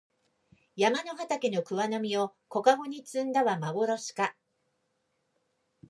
山の畑の桑の実を小かごに摘んだはまぼろしか